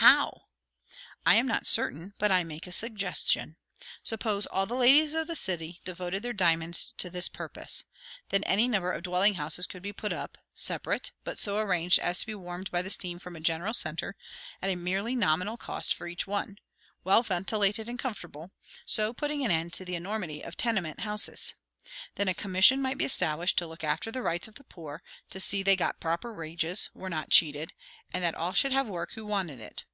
"How?" "I am not certain; but I make a suggestion. Suppose all the ladies of this city devoted their diamonds to this purpose. Then any number of dwelling houses could be put up; separate, but so arranged as to be warmed by steam from a general centre, at a merely nominal cost for each one; well ventilated and comfortable; so putting an end to the enormity of tenement houses. Then a commission might be established to look after the rights of the poor; to see that they got proper wages, were not cheated, and that all should have work who wanted it.